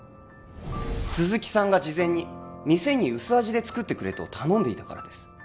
鈴木さんが事前に店に薄味で作ってくれと頼んでいたからです